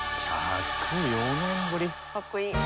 かっこいい。